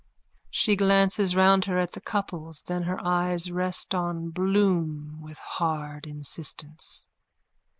_(She glances round her at the couples. Then her eyes rest on Bloom with hard insistence.